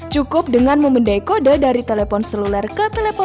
cukup dengan membedai kode dari telepon seluler ke telpon